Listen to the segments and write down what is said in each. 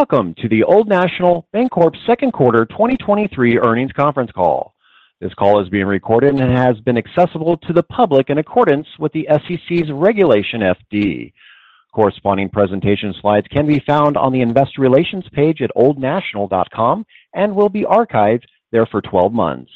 Welcome to the Old National Bancorp Q2 2023 earnings conference call. This call is being recorded and has been accessible to the public in accordance with the SEC's Regulation FD. Corresponding presentation slides can be found on the investor relations page at oldnational.com and will be archived there for 12 months.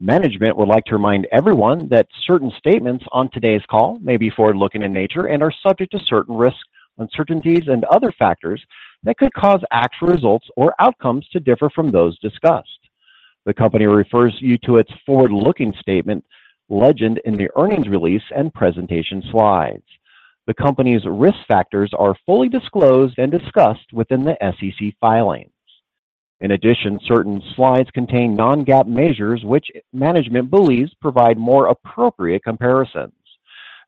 Management would like to remind everyone that certain statements on today's call may be forward-looking in nature and are subject to certain risks, uncertainties, and other factors that could cause actual results or outcomes to differ from those discussed. The company refers you to its forward-looking statement legend in the earnings release and presentation slides. The company's risk factors are fully disclosed and discussed within the SEC filings. In addition, certain slides contain non-GAAP measures, which management believes provide more appropriate comparisons.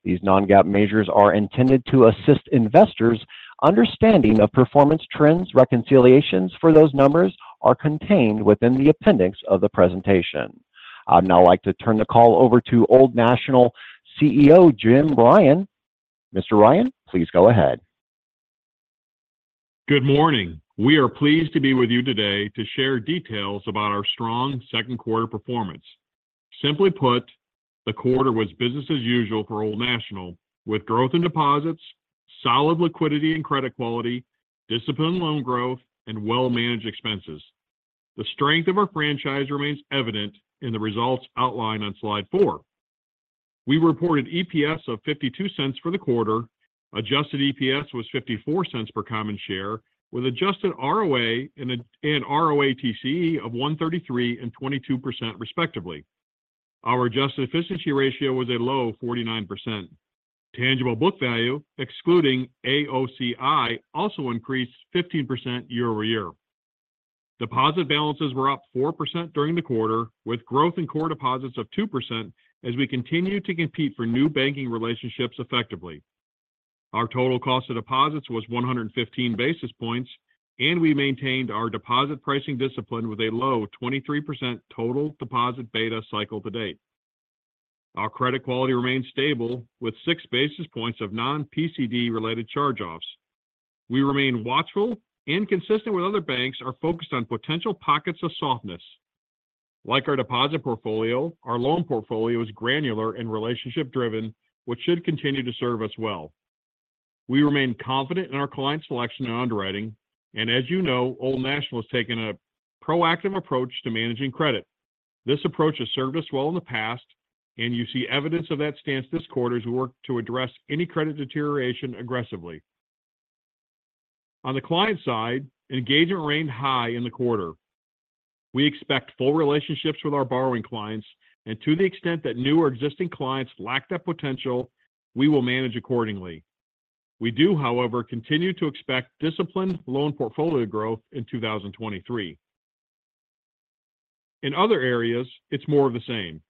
These non-GAAP measures are intended to assist investors' understanding of performance trends. Reconciliations for those numbers are contained within the appendix of the presentation. I'd now like to turn the call over to Old National CEO, Jim Ryan. Mr. Ryan, please go ahead. Good morning. We are pleased to be with you today to share details about our strong Q2 performance. Simply put, the quarter was business as usual for Old National, with growth in deposits, solid liquidity and credit quality, disciplined loan growth, and well-managed expenses. The strength of our franchise remains evident in the results outlined on slide four. We reported EPS of $0.52 for the quarter. Adjusted EPS was $0.54 per common share, with adjusted ROA and ROATC of 1.33% and 22%, respectively. Our adjusted efficiency ratio was a low 49%. Tangible book value, excluding AOCI, also increased 15% year-over-year. Deposit balances were up 4% during the quarter, with growth in core deposits of 2% as we continued to compete for new banking relationships effectively. Our total cost of deposits was 115 basis points. We maintained our deposit pricing discipline with a low 23% total deposit beta cycle to date. Our credit quality remains stable, with 6 basis points of non-PCD-related charge-offs. We remain watchful and consistent with other banks are focused on potential pockets of softness. Like our deposit portfolio, our loan portfolio is granular and relationship-driven, which should continue to serve us well. We remain confident in our client selection and underwriting. As you know, Old National has taken a proactive approach to managing credit. This approach has served us well in the past. You see evidence of that stance this quarter as we work to address any credit deterioration aggressively. On the client side, engagement remained high in the quarter. We expect full relationships with our borrowing clients, and to the extent that new or existing clients lack that potential, we will manage accordingly. We do, however, continue to expect disciplined loan portfolio growth in 2023. In other areas, it's more of the same.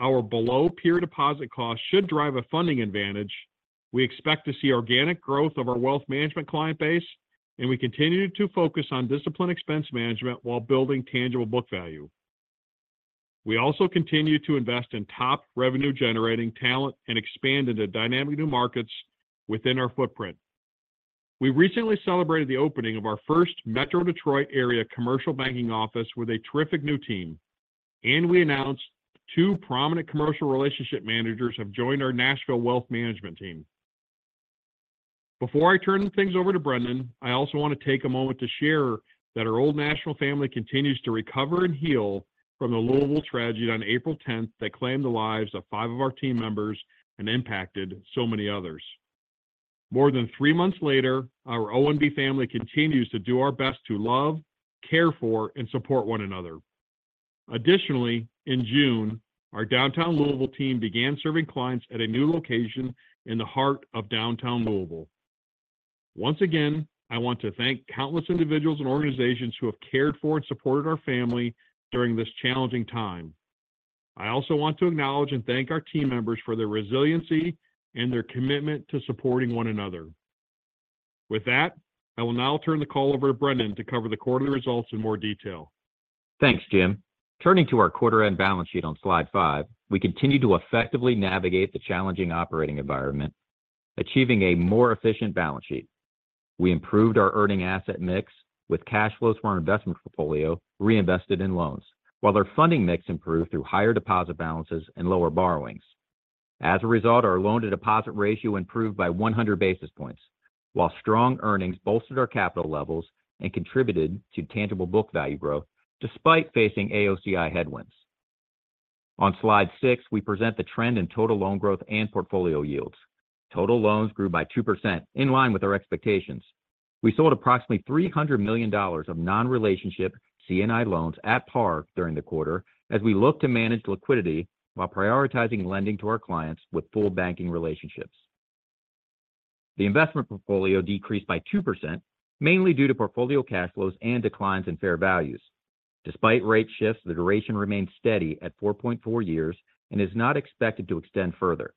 Our below-peer deposit costs should drive a funding advantage. We expect to see organic growth of our wealth management client base, and we continue to focus on disciplined expense management while building tangible book value. We also continue to invest in top revenue-generating talent and expand into dynamic new markets within our footprint. We recently celebrated the opening of our first Metro Detroit area commercial banking office with a terrific new team, and we announced two prominent commercial relationship managers have joined our Nashville wealth management team. Before I turn things over to Brendon, I also want to take a moment to share that our Old National family continues to recover and heal from the Louisville tragedy on April tenth that claimed the lives of five of our team members and impacted so many others. More than three months later, our ONB family continues to do our best to love, care for, and support one another. Additionally, in June, our downtown Louisville team began serving clients at a new location in the heart of downtown Louisville. Once again, I want to thank countless individuals and organizations who have cared for and supported our family during this challenging time. I also want to acknowledge and thank our team members for their resiliency and their commitment to supporting one another. With that, I will now turn the call over to Brendon to cover the quarterly results in more detail. Thanks, Jim. Turning to our quarter-end balance sheet on slide 5, we continue to effectively navigate the challenging operating environment, achieving a more efficient balance sheet. We improved our earning asset mix, with cash flows from our investment portfolio reinvested in loans, while our funding mix improved through higher deposit balances and lower borrowings. As a result, our loan-to-deposit ratio improved by 100 basis points, while strong earnings bolstered our capital levels and contributed to tangible book value growth despite facing AOCI headwinds. On slide 6, we present the trend in total loan growth and portfolio yields. Total loans grew by 2%, in line with our expectations. We sold approximately $300 million of non-relationship C&I loans at par during the quarter as we look to manage liquidity while prioritizing lending to our clients with full banking relationships. The investment portfolio decreased by 2%, mainly due to portfolio cash flows and declines in fair values. Despite rate shifts, the duration remained steady at 4.4 years and is not expected to extend further.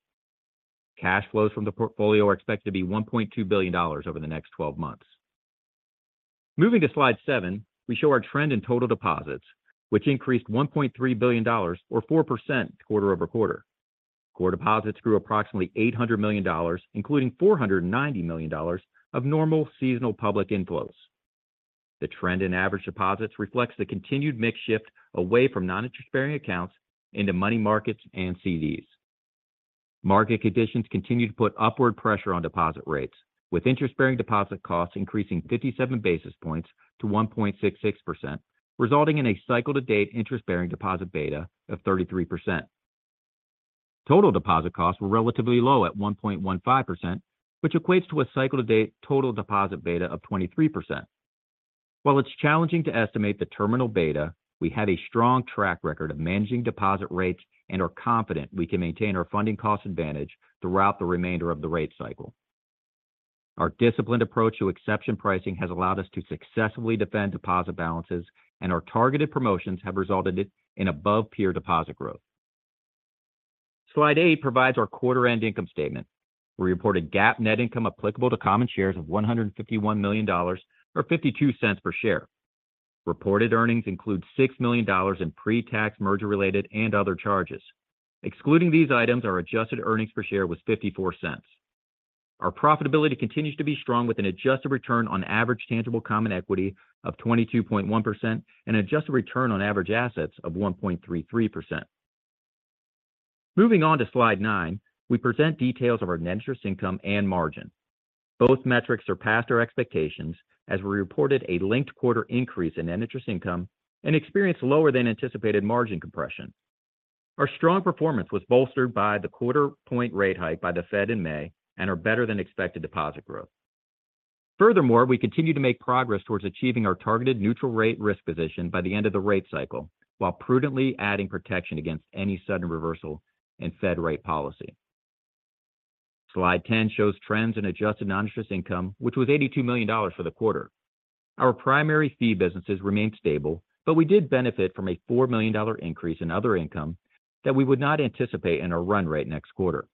Cash flows from the portfolio are expected to be $1.2 billion over the next 12 months. Moving to Slide 7, we show our trend in total deposits, which increased $1.3 billion, or 4% quarter-over-quarter. Core deposits grew approximately $800 million, including $490 million of normal seasonal public inflows. The trend in average deposits reflects the continued mix shift away from non-interest bearing accounts into money markets and CDs. Market conditions continue to put upward pressure on deposit rates, with interest-bearing deposit costs increasing 57 basis points to 1.66%, resulting in a cycle-to-date interest-bearing deposit beta of 33%. Total deposit costs were relatively low at 1.15%, which equates to a cycle-to-date total deposit beta of 23%. While it's challenging to estimate the terminal beta, we have a strong track record of managing deposit rates and are confident we can maintain our funding cost advantage throughout the remainder of the rate cycle. Our disciplined approach to exception pricing has allowed us to successfully defend deposit balances, and our targeted promotions have resulted in above-peer deposit growth. Slide eight provides our quarter-end income statement. We reported GAAP net income applicable to common shares of $151 million, or $0.52 per share. Reported earnings include $6 million in pre-tax merger-related and other charges. Excluding these items, our adjusted earnings per share was $0.54. Our profitability continues to be strong, with an adjusted return on average tangible common equity of 22.1% and adjusted return on average assets of 1.33%. Moving on to Slide 9, we present details of our net interest income and margin. Both metrics surpassed our expectations as we reported a linked quarter increase in net interest income and experienced lower than anticipated margin compression. Our strong performance was bolstered by the quarter point rate hike by the Fed in May and our better than expected deposit growth. We continue to make progress towards achieving our targeted neutral rate risk position by the end of the rate cycle, while prudently adding protection against any sudden reversal in Fed rate policy. Slide 10 shows trends in adjusted non-interest income, which was $82 million for the quarter. Our primary fee businesses remained stable, but we did benefit from a $4 million increase in other income that we would not anticipate in our run rate next quarter.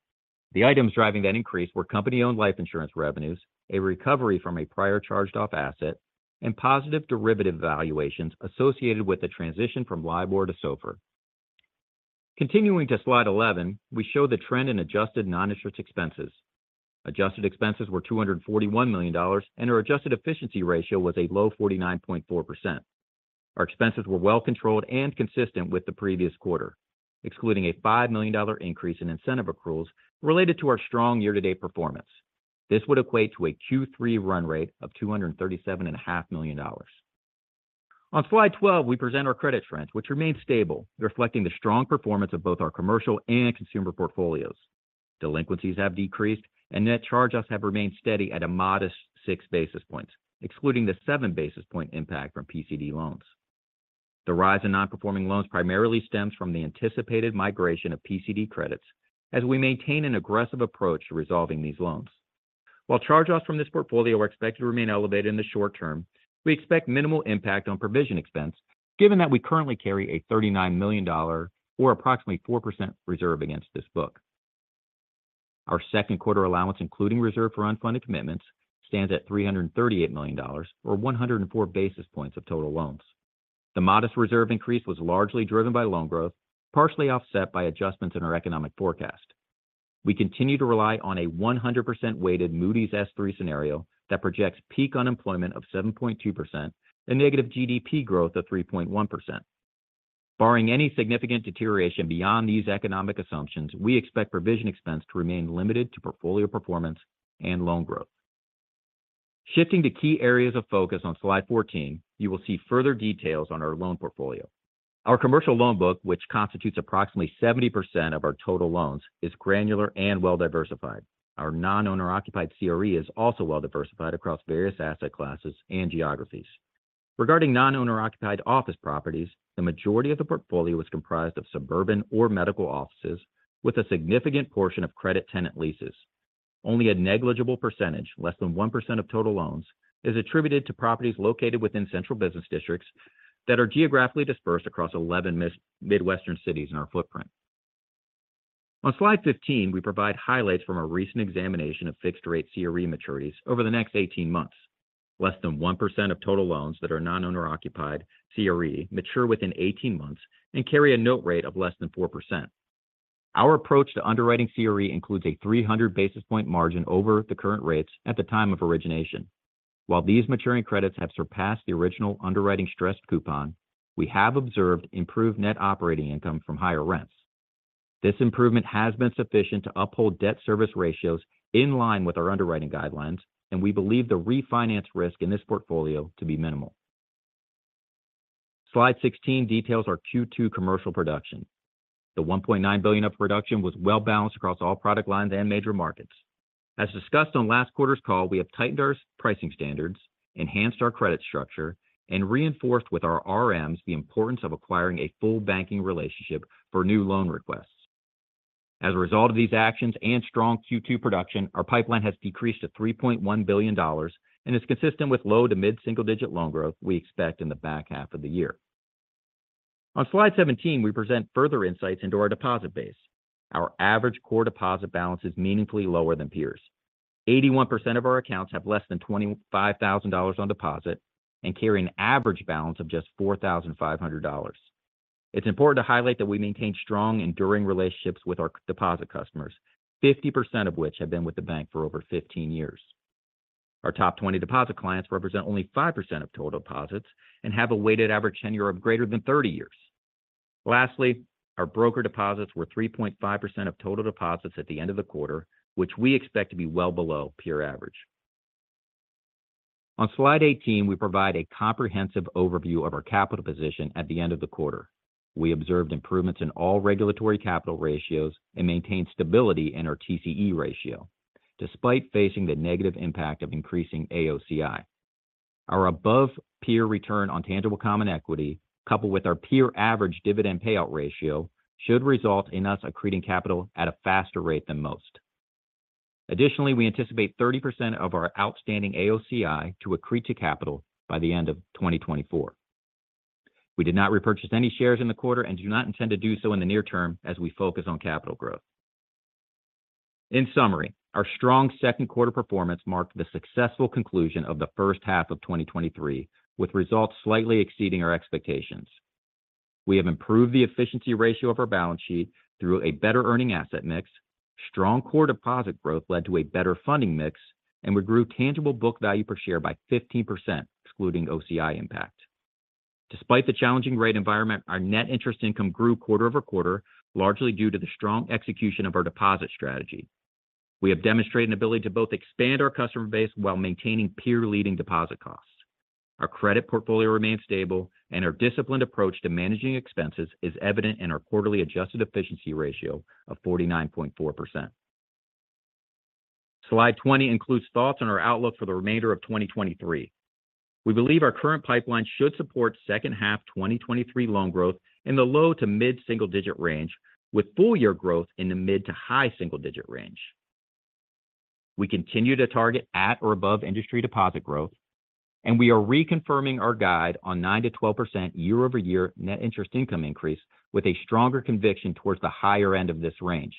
The items driving that increase were company-owned life insurance revenues, a recovery from a prior charged-off asset, and positive derivative valuations associated with the transition from LIBOR to SOFR. Continuing to Slide 11, we show the trend in adjusted non-interest expenses. Adjusted expenses were $241 million, and our adjusted efficiency ratio was a low 49.4%. Our expenses were well controlled and consistent with the previous quarter, excluding a $5 million increase in incentive accruals related to our strong year-to-date performance. This would equate to a Q3 run rate of $237.5 million. On Slide 12, we present our credit trends, which remained stable, reflecting the strong performance of both our commercial and consumer portfolios. Delinquencies have decreased and net charge-offs have remained steady at a modest 6 basis points, excluding the seven basis point impact from PCD loans. The rise in non-performing loans primarily stems from the anticipated migration of PCD credits as we maintain an aggressive approach to resolving these loans. While charge-offs from this portfolio are expected to remain elevated in the short term, we expect minimal impact on provision expense, given that we currently carry a $39 million or approximately 4% reserve against this book. Our Q2 allowance, including reserve for unfunded commitments, stands at $338 million, or 104 basis points of total loans. The modest reserve increase was largely driven by loan growth, partially offset by adjustments in our economic forecast. We continue to rely on a 100% weighted Moody's S3 scenario that projects peak unemployment of 7.2% and negative GDP growth of 3.1%. Barring any significant deterioration beyond these economic assumptions, we expect provision expense to remain limited to portfolio performance and loan growth. Shifting to key areas of focus on Slide 14, you will see further details on our loan portfolio. Our commercial loan book, which constitutes approximately 70% of our total loans, is granular and well-diversified. Our non-owner occupied CRE is also well-diversified across various asset classes and geographies. Regarding non-owner occupied office properties, the majority of the portfolio is comprised of suburban or medical offices with a significant portion of credit tenant leases. Only a negligible percentage, less than 1% of total loans, is attributed to properties located within central business districts that are geographically dispersed across 11 mid-Midwestern cities in our footprint. On Slide 15, we provide highlights from a recent examination of fixed-rate CRE maturities over the next 18 months. Less than 1% of total loans that are non-owner occupied CRE mature within 18 months and carry a note rate of less than 4%. Our approach to underwriting CRE includes a 300 basis point margin over the current rates at the time of origination. While these maturing credits have surpassed the original underwriting stressed coupon, we have observed improved net operating income from higher rents. This improvement has been sufficient to uphold debt service ratios in line with our underwriting guidelines, and we believe the refinance risk in this portfolio to be minimal. Slide 16 details our Q2 commercial production. The $1.9 billion of production was well-balanced across all product lines and major markets. As discussed on last quarter's call, we have tightened our pricing standards, enhanced our credit structure, and reinforced with our RMs the importance of acquiring a full banking relationship for new loan requests. As a result of these actions and strong Q2 production, our pipeline has decreased to $3.1 billion and is consistent with low to mid-single-digit loan growth we expect in the back half of the year. On Slide 17, we present further insights into our deposit base. Our average core deposit balance is meaningfully lower than peers. 81% of our accounts have less than $25,000 on deposit and carry an average balance of just $4,500. It's important to highlight that we maintain strong, enduring relationships with our deposit customers, 50% of which have been with the bank for over 15 years. Our top 20 deposit clients represent only 5% of total deposits and have a weighted average tenure of greater than 30 years. Lastly, our broker deposits were 3.5% of total deposits at the end of the quarter, which we expect to be well below peer average. On slide 18, we provide a comprehensive overview of our capital position at the end of the quarter. We observed improvements in all regulatory capital ratios and maintained stability in our TCE ratio, despite facing the negative impact of increasing AOCI. Our above-peer return on tangible common equity, coupled with our peer average dividend payout ratio, should result in us accreting capital at a faster rate than most. Additionally, we anticipate 30% of our outstanding AOCI to accrete to capital by the end of 2024. We did not repurchase any shares in the quarter and do not intend to do so in the near term as we focus on capital growth. In summary, our strong Q2 performance marked the successful conclusion of the H1 of 2023, with results slightly exceeding our expectations. We have improved the efficiency ratio of our balance sheet through a better earning asset mix. Strong core deposit growth led to a better funding mix, and we grew tangible book value per share by 15%, excluding OCI impact. Despite the challenging rate environment, our net interest income grew quarter-over-quarter, largely due to the strong execution of our deposit strategy. We have demonstrated an ability to both expand our customer base while maintaining peer-leading deposit costs. Our credit portfolio remains stable, and our disciplined approach to managing expenses is evident in our quarterly adjusted efficiency ratio of 49.4%. Slide 20 includes thoughts on our outlook for the remainder of 2023. We believe our current pipeline should support H2 2023 loan growth in the low to mid single-digit range, with full year growth in the mid to high single-digit range. We continue to target at or above industry deposit growth, and we are reconfirming our guide on 9% to 12% year-over-year net interest income increase, with a stronger conviction towards the higher end of this range.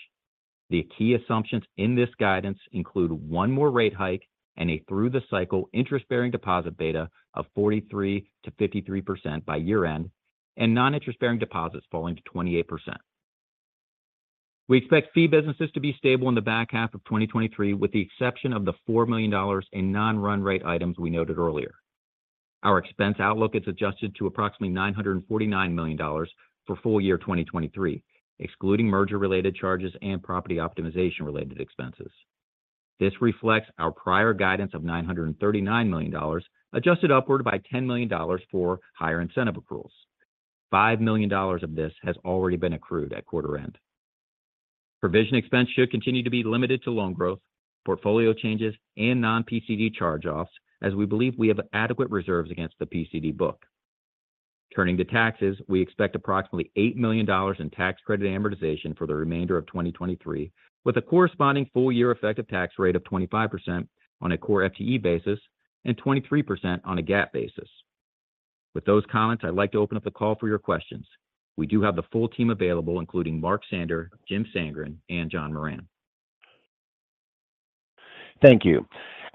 The key assumptions in this guidance include one more rate hike and a through the cycle interest-bearing deposit beta of 43% to 53% by year-end, and non-interest-bearing deposits falling to 28%. We expect fee businesses to be stable in the back half of 2023, with the exception of the $4 million in non-run rate items we noted earlier. Our expense outlook is adjusted to approximately $949 million for full year 2023, excluding merger-related charges and property optimization related expenses. This reflects our prior guidance of $939 million, adjusted upward by $10 million for higher incentive accruals. $5 million of this has already been accrued at quarter end. Provision expense should continue to be limited to loan growth, portfolio changes, and non-PCD charge-offs, as we believe we have adequate reserves against the PCD book. Turning to taxes, we expect approximately $8 million in tax credit amortization for the remainder of 2023, with a corresponding full year effective tax rate of 25% on a core FTE basis and 23% on a GAAP basis. With those comments, I'd like to open up the call for your questions. We do have the full team available, including Mark Sander, Jim Sandgren, and John Moran. Thank you.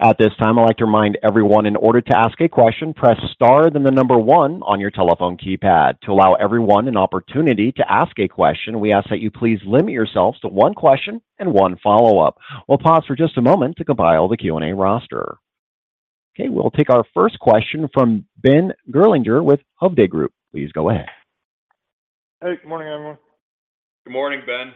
At this time, I'd like to remind everyone, in order to ask a question, press star, then the one on your telephone keypad. To allow everyone an opportunity to ask a question, we ask that you please limit yourselves to one question and one follow-up. We'll pause for just a moment to compile the Q&A roster. Okay, we'll take our first question from Ben Gerlinger with Hovde Group. Please go ahead. Hey, good morning, everyone. Good morning, Ben.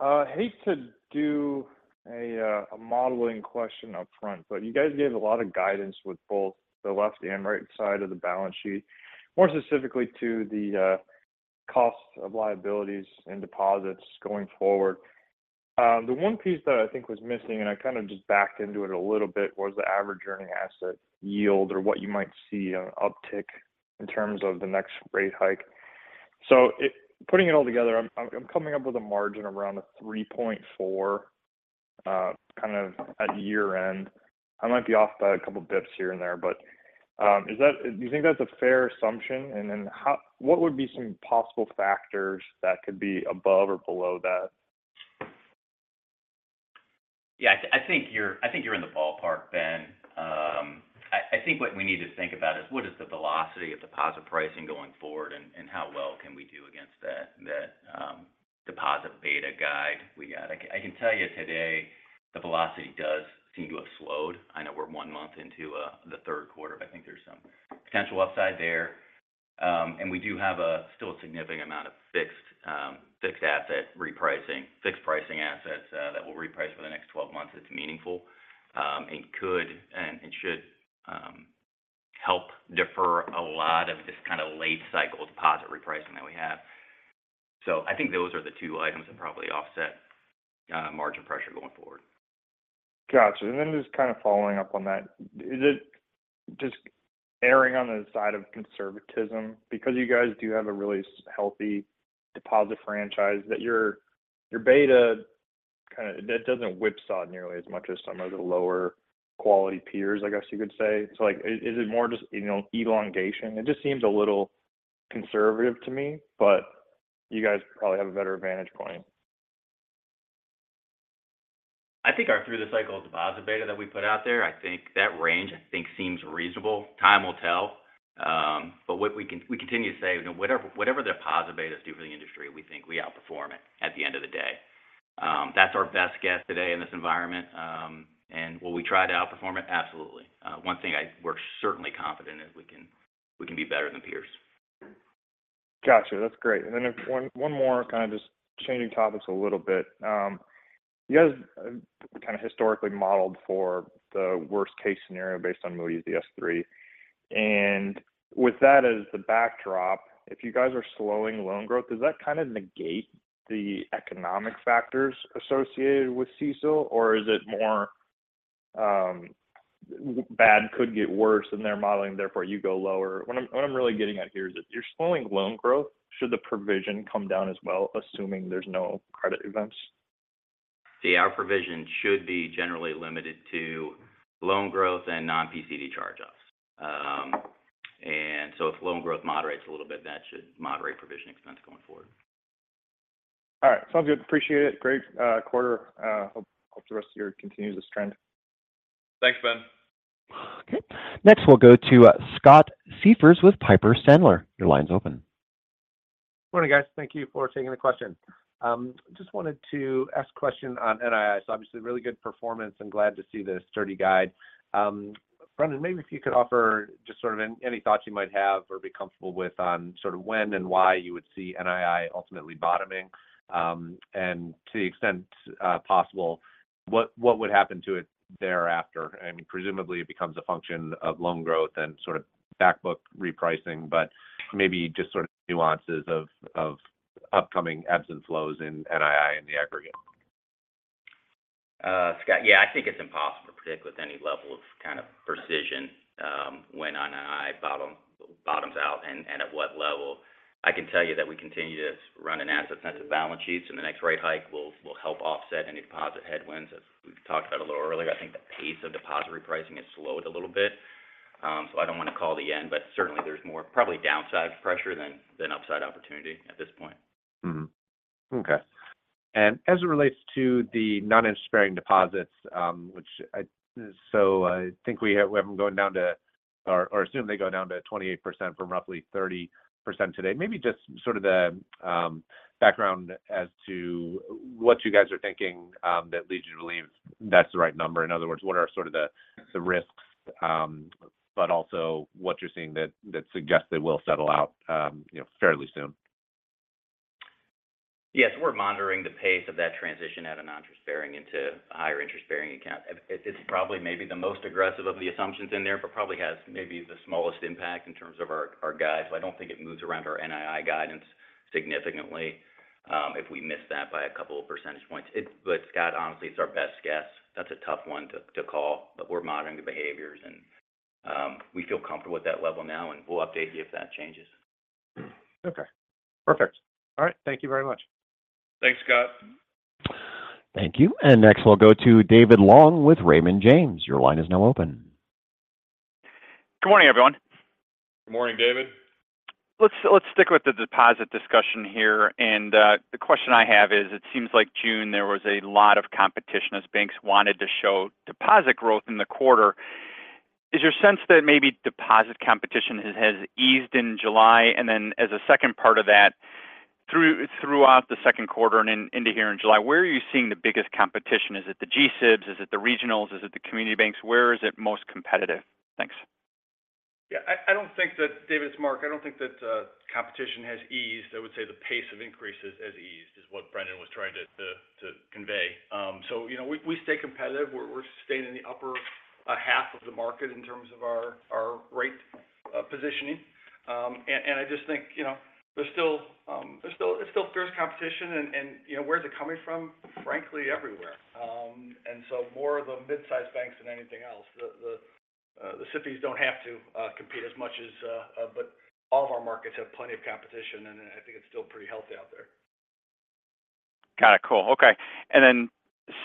I hate to do a modeling question up front, but you guys gave a lot of guidance with both the left and right side of the balance sheet, more specifically to the cost of liabilities and deposits going forward. The one piece that I think was missing, and I kind of just backed into it a little bit, was the average earning asset yield or what you might see an uptick in terms of the next rate hike. Putting it all together, I'm coming up with a margin around a 3.4% kind of at year-end. I might be off by a couple of bps here and there, but is that do you think that's a fair assumption? What would be some possible factors that could be above or below that? Yeah, I think you're, I think you're in the ballpark, Ben. I think what we need to think about is what is the velocity of deposit pricing going forward, and how well can we do against that deposit beta guide we got? I can tell you today, the velocity does seem to have slowed. I know we're one month into the Q3, but I think there's some potential upside there. We do have a still a significant amount of fixed asset repricing, fixed pricing assets, that will reprice for the next 12 months. It's meaningful, and could and should help defer a lot of this kind of late cycle deposit repricing that we have. I think those are the two items that probably offset margin pressure going forward. Got you. Just kind of following up on that, is it just erring on the side of conservatism? Because you guys do have a really healthy deposit franchise, that your beta kind of... That doesn't whipsaw nearly as much as some of the lower quality peers, I guess you could say. Like, is it more just, you know, elongation? It just seems a little conservative to me, but you guys probably have a better vantage point. I think our through the cycle deposit beta that we put out there, I think that range, I think, seems reasonable. Time will tell. What we continue to say, you know, whatever the deposit betas do for the industry, we think we outperform it at the end of the day. That's our best guess today in this environment. Will we try to outperform it? Absolutely. One thing we're certainly confident is we can be better than peers. Gotcha. That's great. If one more kind of just changing topics a little bit. You guys kind of historically modeled for the worst-case scenario based on Moody's S3. With that as the backdrop, if you guys are slowing loan growth, does that kind of negate the economic factors associated with CECL, or is it more bad could get worse than they're modeling, therefore, you go lower? What I'm really getting at here is if you're slowing loan growth, should the provision come down as well, assuming there's no credit events? Our provision should be generally limited to loan growth and non-PCD charge-offs. If loan growth moderates a little bit, that should moderate provision expense going forward. All right. Sounds good. Appreciate it. Great quarter. Hope the rest of your year continues this trend. Thanks, Ben. Okay. Next, we'll go to Scott Siefers with Piper Sandler. Your line's open. Morning, guys. Thank you for taking the question. Just wanted to ask a question on NII. Obviously, really good performance, and glad to see the sturdy guide. Brendon, maybe if you could offer just sort of any thoughts you might have or be comfortable with on sort of when and why you would see NII ultimately bottoming. And to the extent possible, what would happen to it thereafter? I mean, presumably, it becomes a function of loan growth and sort of back-book repricing, but maybe just sort of nuances of upcoming ebbs and flows in NII in the aggregate. Scott, yeah, I think it's impossible to predict with any level of kind of precision, when NII bottoms out and at what level. I can tell you that we continue to run an asset-sensitive balance sheet, so the next rate hike will help offset any deposit headwinds, as we've talked about a little earlier. I think the pace of deposit repricing has slowed a little bit. I don't want to call the end, but certainly there's more probably downside pressure than upside opportunity at this point. Okay. As it relates to the non-interest-bearing deposits, which so I think we have them going down to, or assume they go down to 28% from roughly 30% today. Maybe just sort of the background as to what you guys are thinking that leads you to believe that's the right number. In other words, what are sort of the risks, but also what you're seeing that suggests they will settle out, you know, fairly soon? Yes, we're monitoring the pace of that transition out of non-interest-bearing into higher interest-bearing account. It's probably maybe the most aggressive of the assumptions in there, but probably has maybe the smallest impact in terms of our guide. I don't think it moves around our NII guidance significantly, if we miss that by a couple of percentage points. Scott, honestly, it's our best guess. That's a tough one to call, but we're monitoring the behaviors and, we feel comfortable with that level now, and we'll update you if that changes. Okay. Perfect. All right. Thank you very much. Thanks, Scott. Thank you. Next, we'll go to David Long with Raymond James. Your line is now open. Good morning, everyone. Good morning, David. Let's stick with the deposit discussion here. The question I have is: it seems like June, there was a lot of competition as banks wanted to show deposit growth in the quarter. Is your sense that maybe deposit competition has eased in July? As a second part of that, throughout the Q2 and into here in July, where are you seeing the biggest competition? Is it the G-SIBs? Is it the regionals? Is it the community banks? Where is it most competitive? Thanks. Yeah, I don't think that David, it's Mark. I don't think that competition has eased. I would say the pace of increases has eased, is what Brendon was trying to convey. You know, we stay competitive. We're staying in the upper half of the market in terms of our rate positioning. I just think, you know, there's still fierce competition and, you know, where's it coming from? Frankly, everywhere. More of the mid-sized banks than anything else. The cities don't have to compete but all of our markets have plenty of competition, and I think it's still pretty healthy out there. Got it. Cool. Okay.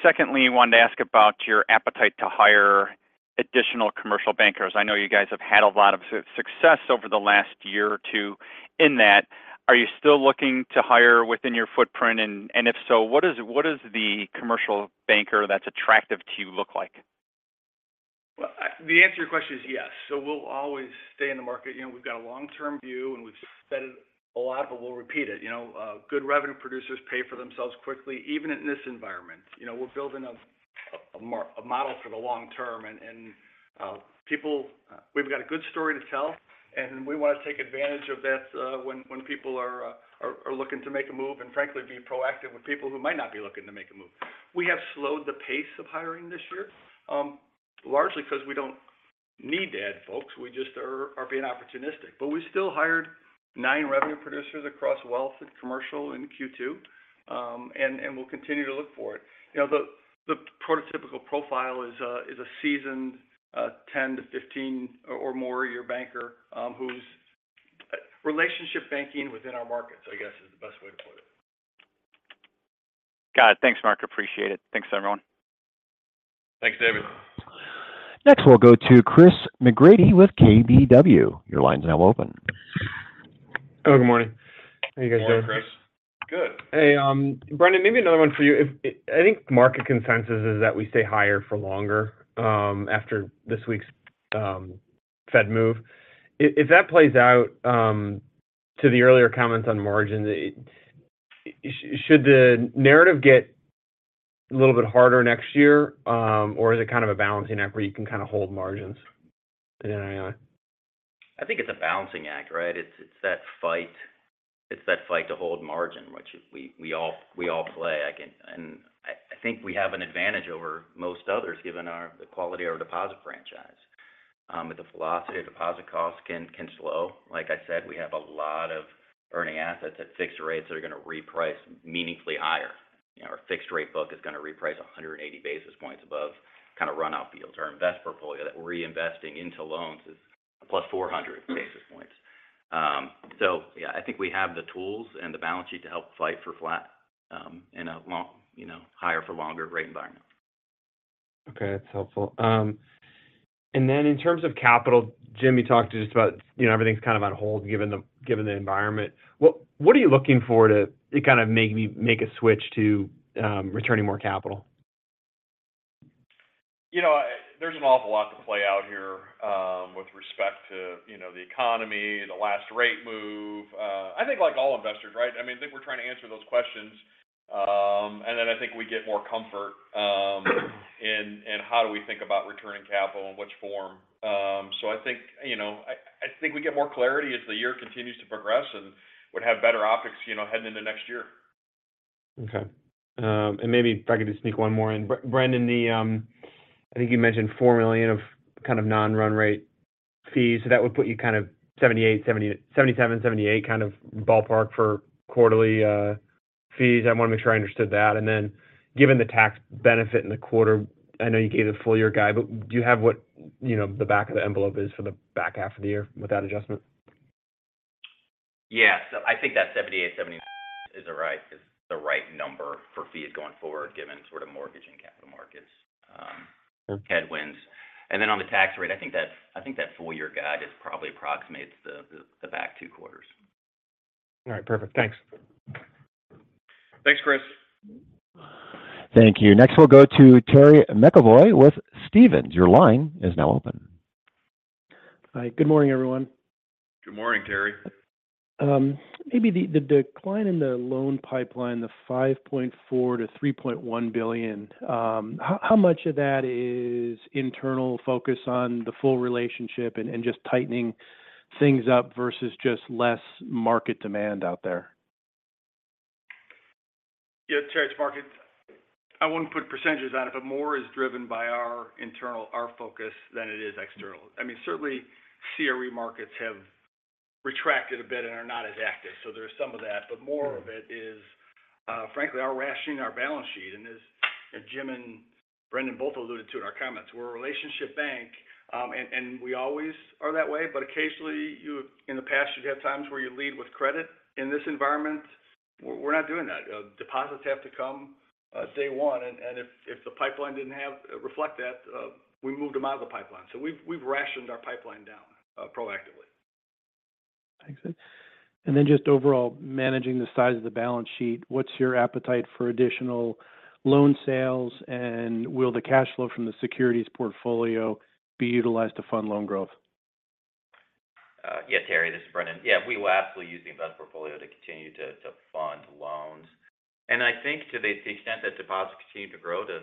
Secondly, wanted to ask about your appetite to hire additional commercial bankers. I know you guys have had a lot of success over the last year or two in that. Are you still looking to hire within your footprint? And if so, what is the commercial banker that's attractive to you look like? Well, the answer to your question is yes. We'll always stay in the market. You know, we've got a long-term view, and we've said it a lot, but we'll repeat it. You know, good revenue producers pay for themselves quickly, even in this environment. You know, we're building a model for the long term, and we've got a good story to tell, and we want to take advantage of that when people are looking to make a move, and frankly, be proactive with people who might not be looking to make a move. We have slowed the pace of hiring this year, largely because we don't need to add folks. We just are being opportunistic. We still hired 9 revenue producers across wealth and commercial in Q2. we'll continue to look for it. You know, the prototypical profile is a seasoned, 10 to 15 or more year banker, who's relationship banking within our markets, I guess, is the best way to put it. Got it. Thanks, Mark. Appreciate it. Thanks, everyone. Thanks, David. Next, we'll go to Chris McGratty with KBW. Your line's now open. Hello. Good morning. How are you guys doing? Good morning, Chris. Good. Hey, Brendon, maybe another one for you. If, I think market consensus is that we stay higher for longer, after this week's, Fed move. If that plays out, to the earlier comments on margins, should the narrative get a little bit harder next year, or is it kind of a balancing act where you can kind of hold margins in NII? I think it's a balancing act, right? It's that fight to hold margin, which we all play. I think we have an advantage over most others, given the quality of our deposit franchise. With the velocity of deposit costs can slow. Like I said, we have a lot of earning assets at fixed rates that are going to reprice meaningfully higher. You know, our fixed rate book is going to reprice 180 basis points above kind of run-out yields. Our invest portfolio that we're reinvesting into loans is plus 400 basis points. Yeah, I think we have the tools and the balance sheet to help fight for flat, in a long, you know, higher for longer rate environment. Okay, that's helpful. In terms of capital, Jim, you talked just about, you know, everything's kind of on hold, given the, given the environment. What, what are you looking for to kind of make me make a switch to, returning more capital? You know, there's an awful lot to play out here, with respect to, you know, the economy, the last rate move. I think like all investors, right? I mean, I think we're trying to answer those questions. Then I think we get more comfort, in how do we think about returning capital and which form. I think, you know, I think we get more clarity as the year continues to progress and would have better optics, you know, heading into next year. Okay. Maybe if I could just sneak one more in. Brendon, I think you mentioned $4 million of kind of non-run rate fees, so that would put you kind of 78, 77, 78 kind of ballpark for quarterly fees. I want to make sure I understood that. Then, given the tax benefit in the quarter, I know you gave the full year guide, but do you have what, you know, the back of the envelope is for the back half of the year with that adjustment? Yeah. I think that 78 is the right number for fees going forward, given sort of mortgage and capital markets. Okay... headwinds. On the tax rate, I think that full year guide is probably approximates the back two quarters. All right. Perfect. Thanks. Thanks, Chris. Thank you. Next, we'll go to Terry McEvoy with Stephens. Your line is now open. Hi. Good morning, everyone. Good morning, Terry. Maybe the decline in the loan pipeline, the $5.4 to 3.1 billion, how much of that is internal focus on the full relationship and just tightening things up versus just less market demand out there? Yeah, Terry, it's Mark. I wouldn't put percentages on it, but more is driven by our internal, our focus than it is external. I mean, certainly, CRE markets have retracted a bit and are not as active, so there is some of that. Mm-hmm. More of it is, frankly, our rationing our balance sheet. As Jim and Brendon both alluded to in our comments, we're a relationship bank, and we always are that way, but occasionally, in the past, you've had times where you lead with credit. In this environment, we're not doing that. Deposits have to come, day one, and if the pipeline didn't have reflect that, we moved them out of the pipeline. We've rationed our pipeline down, proactively. Thanks. Just overall, managing the size of the balance sheet, what's your appetite for additional loan sales? Will the cash flow from the securities portfolio be utilized to fund loan growth? Yeah, Terry, this is Brendon. Yeah, we will actually use the invest portfolio to continue to fund loans. I think to the extent that deposits continue to grow to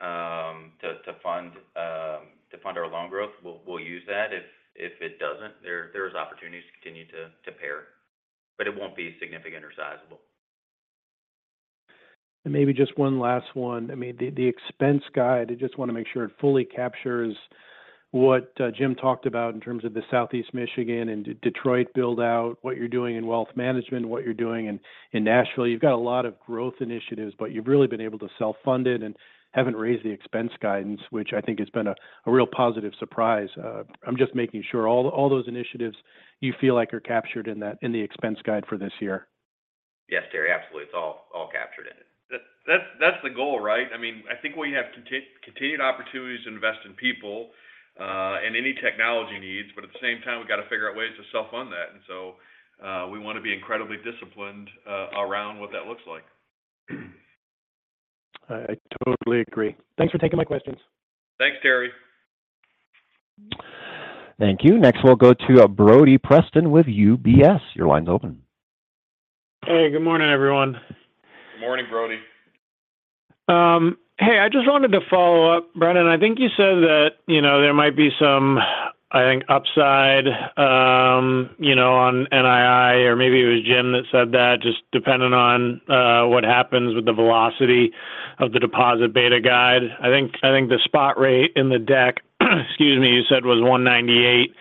fund our loan growth, we'll use that. If it doesn't, there is opportunities to continue to pair, but it won't be significant or sizable. Maybe just one last one. I mean, the expense guide, I just want to make sure it fully captures what Jim talked about in terms of the Southeast Michigan and Detroit build out, what you're doing in wealth management, what you're doing in Nashville. You've got a lot of growth initiatives, but you've really been able to self-fund it and haven't raised the expense guidance, which I think has been a real positive surprise. I'm just making sure all those initiatives you feel like are captured in the expense guide for this year. Yes, Terry, absolutely. It's all captured in it. That's the goal, right? I mean, I think we have continued opportunities to invest in people, and any technology needs, but at the same time, we've got to figure out ways to self-fund that. We want to be incredibly disciplined, around what that looks like. I totally agree. Thanks for taking my questions. Thanks, Terry. Thank you. Next, we'll go to Brody Preston with UBS. Your line's open. Hey, good morning, everyone. Good morning, Brody. Hey, I just wanted to follow up. Brendon, I think you said that, you know, there might be some, I think, upside, you know, on NII, or maybe it was Jim that said that, just depending on what happens with the velocity of the deposit beta guide. I think the spot rate in the deck, excuse me, you said was 198.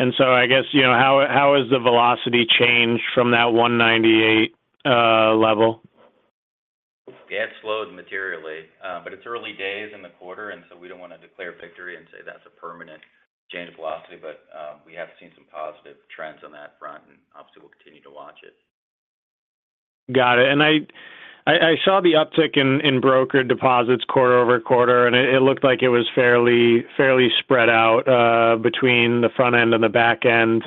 I guess, you know, how has the velocity changed from that 198 level? Yeah, it slowed materially, but it's early days in the quarter, and so we don't want to declare victory until change the velocity, but we have seen some positive trends on that front, and obviously, we'll continue to watch it. Got it. I saw the uptick in brokered deposits quarter-over-quarter, it looked like it was fairly spread out between the front end and the back end.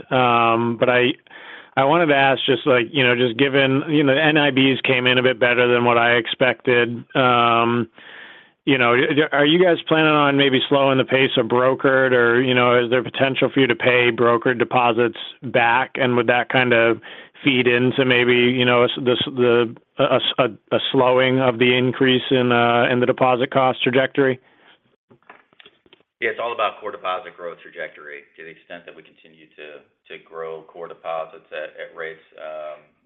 I wanted to ask just like, you know, just given, you know, NIBs came in a bit better than what I expected. You know, are you guys planning on maybe slowing the pace of brokered or, you know, is there potential for you to pay brokered deposits back? Would that kind of feed into maybe, you know, a slowing of the increase in the deposit cost trajectory? Yeah, it's all about core deposit growth trajectory. To the extent that we continue to grow core deposits at rates,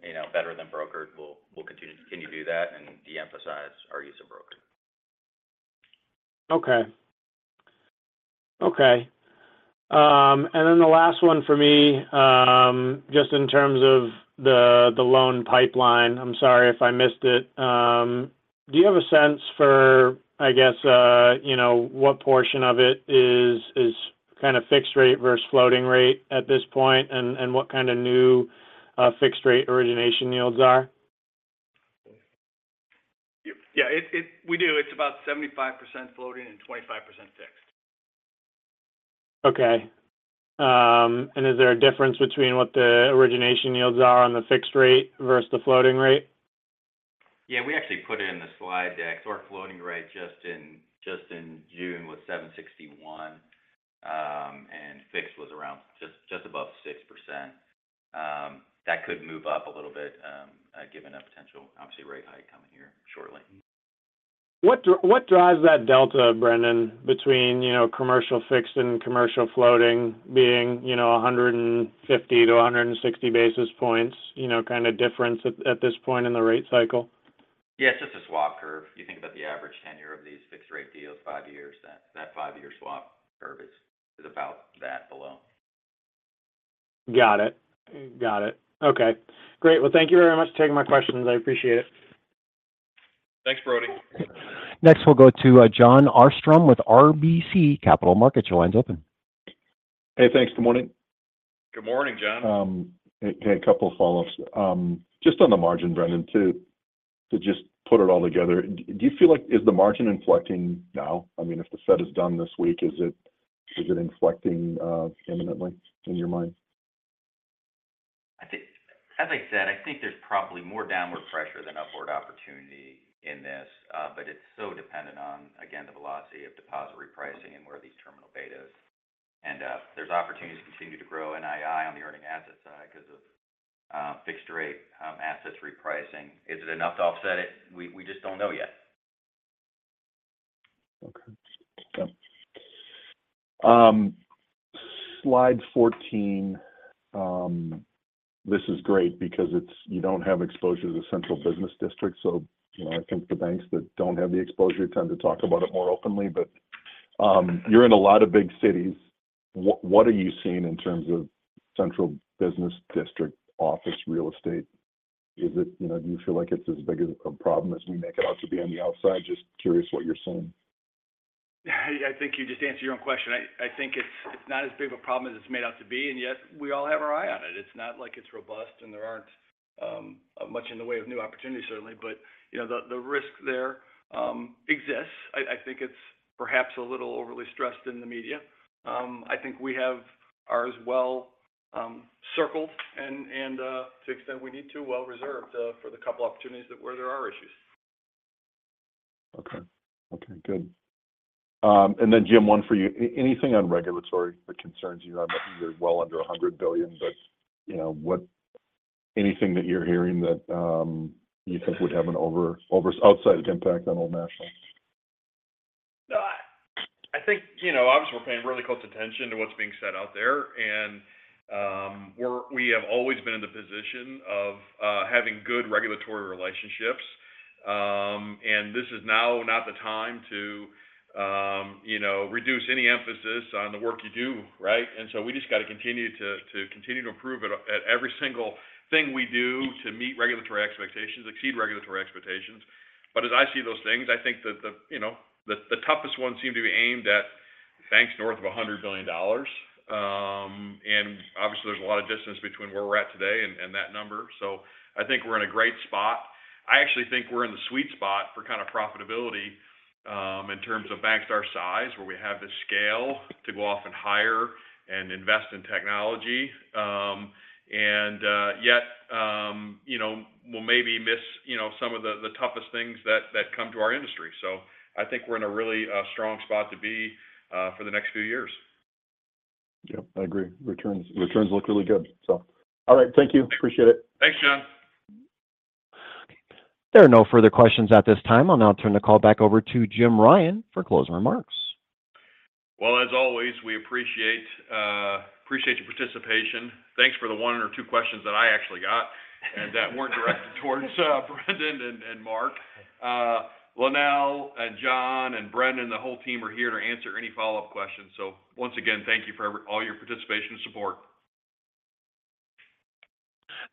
you know, better than brokered, we'll continue to do that and de-emphasize our use of brokered. Okay. The last one for me, just in terms of the loan pipeline, I'm sorry if I missed it. Do you have a sense for, I guess, you know, what portion of it is kind of fixed rate versus floating rate at this point? And what kind of new, fixed rate origination yields are? Yeah, we do. It's about 75% floating and 25% fixed. Okay. Is there a difference between what the origination yields are on the fixed rate versus the floating rate? Yeah, we actually put it in the slide deck. Our floating rate just in June was 7.61%, and fixed was around just above 6%. That could move up a little bit, given a potential, obviously, rate hike coming here shortly. What drives that delta, Brendon, between, you know, commercial fixed and commercial floating being, you know, 150-160 basis points, you know, kind of difference at this point in the rate cycle? Yeah, it's just a swap curve. You think about the average tenure of these fixed rate deals, five years. That five year swap curve is about that below. Got it. Okay, great. Well, thank you very much for taking my questions. I appreciate it. Thanks, Brody. Next, we'll go to Jon Arfstrom with RBC Capital Markets. Your line's open. Hey, thanks. Good morning. Good morning, Jon. A couple of follow-ups. Just on the margin, Brendon, to just put it all together, do you feel like is the margin inflecting now? I mean, if the Fed is done this week, is it inflecting imminently in your mind? As I said, I think there's probably more downward pressure than upward opportunity in this, but it's so dependent on, again, the velocity of deposit repricing and where these terminal beta is. There's opportunities to continue to grow NII on the earning asset side because of, fixed rate, assets repricing. Is it enough to offset it? We just don't know yet. Okay. slide 14, this is great because you don't have exposure to the central business district, so, you know, I think the banks that don't have the exposure tend to talk about it more openly, but, you're in a lot of big cities. What are you seeing in terms of central business district office real estate? You know, do you feel like it's as big as a problem as we make it out to be on the outside? Just curious what you're seeing. I think you just answered your own question. I think it's not as big of a problem as it's made out to be, yet we all have our eye on it. It's not like it's robust, and there aren't much in the way of new opportunities, certainly. You know, the risk there exists. I think it's perhaps a little overly stressed in the media. I think we have ours well circled and, to the extent we need to, well reserved for the couple opportunities that where there are issues. Okay. Okay, good. Then, Jim, one for you. Anything on regulatory that concerns you on- you're well under $100 billion, but, you know, anything that you're hearing that you think would have an outside impact on Old National? I think, you know, obviously, we're paying really close attention to what's being said out there, and we have always been in the position of, having good regulatory relationships. This is now not the time to, you know, reduce any emphasis on the work you do, right? We just got to continue to improve at every single thing we do to meet regulatory expectations, exceed regulatory expectations. As I see those things, I think that the, you know, the toughest ones seem to be aimed at banks north of $100 billion. Obviously, there's a lot of distance between where we're at today and that number. I think we're in a great spot. I actually think we're in the sweet spot for kind of profitability, in terms of banks our size, where we have the scale to go off and hire and invest in technology. Yet, you know, we'll maybe miss, you know, some of the toughest things that come to our industry. I think we're in a really strong spot to be for the next few years. Yeah, I agree. Returns look really good. All right, thank you. Appreciate it. Thanks, Jon. There are no further questions at this time. I'll now turn the call back over to Jim Ryan for closing remarks. Well, as always, we appreciate your participation. Thanks for the one or two questions that I actually got that weren't directed towards Brendon and Mark. Lynell, John, and Brendon, the whole team are here to answer any follow-up questions. Once again, thank you for all your participation and support.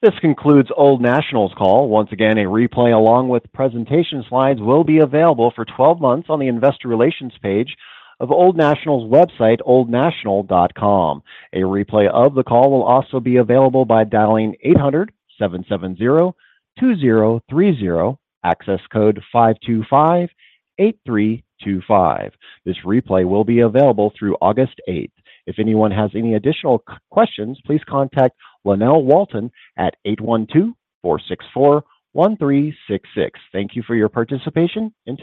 This concludes Old National's call. Once again, a replay, along with presentation slides, will be available for 12 months on the investor relations page of Old National's website, oldnational.com. A replay of the call will also be available by dialing 800-770-2030, access code 5258325. This replay will be available through August 8th. If anyone has any additional questions, please contact Lynell Walton at 812-464-1366. Thank you for your participation and tune in.